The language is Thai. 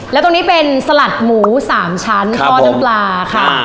แล้วตรงนี้เป็นสลัดหมู๓ชั้นทอดน้ำปลาค่ะ